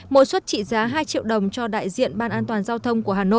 mỗi xuất trị giá hai triệu đồng cho đại diện ban an toàn giao thông